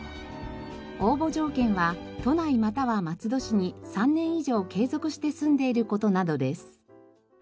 応募条件は都内または松戸市に３年以上継続して住んでいる事などです。